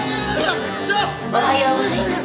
おはようございます。